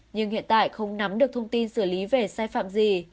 nhưng hiện tại không nắm được thông tin xử lý về sai phạm gì